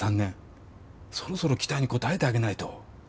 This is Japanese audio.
そろそろ期待に応えてあげないと。